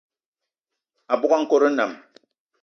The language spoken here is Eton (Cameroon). Abogo a nkòt nnam